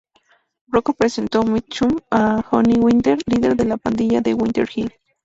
Rocco presentó Mitchum a Howie Winter, líder de la pandilla de Winter Hill.